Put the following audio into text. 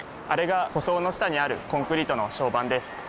あれが舗装の下にあるコンクリートの床版です。